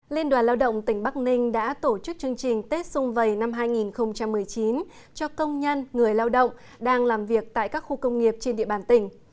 liên đoàn lao động tỉnh bắc ninh đã tổ chức chương trình tết xung vầy năm hai nghìn một mươi chín cho công nhân người lao động đang làm việc tại các khu công nghiệp trên địa bàn tỉnh